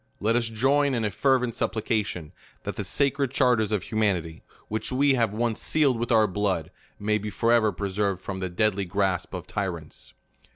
Let us join in a fervent supplica tion, that the sacred charters of humanity, which we have once sealed with our blood, may be forever pre served from the deadly grasp of tyrants.